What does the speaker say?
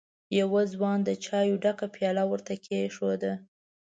يوه ځوان د چايو ډکه پياله ور ته کېښوده.